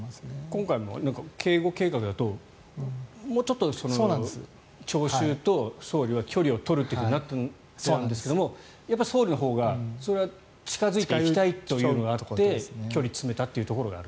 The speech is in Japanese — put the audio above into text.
今回も警護計画だともうちょっと聴衆と総理は距離を取るってなってるんですけどやっぱり総理のほうが近付いていきたいというのがあって距離を詰めたというところがある。